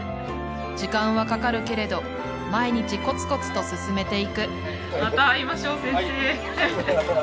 時間はかかるけれど毎日コツコツと進めていくまた会いましょう先生。